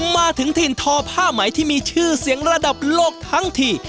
มาถึงถิ่นทอผ้าไหมที่มีชื่อเสียงระดับโลกทั้งที